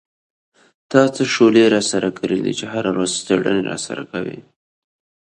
تا څه شولې را سره کرلې دي چې هره ورځ څېړنه را سره کوې.